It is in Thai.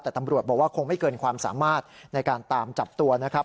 แต่ตำรวจบอกว่าคงไม่เกินความสามารถในการตามจับตัวนะครับ